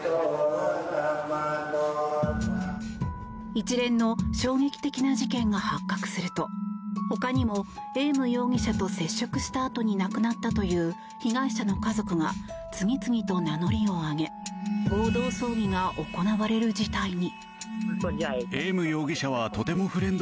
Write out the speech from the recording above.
一連の衝撃的な事件が発覚すると他にも、エーム容疑者と接触したあとに亡くなったという被害者の家族が次々と名乗りを上げ合同葬儀が行われる事態に。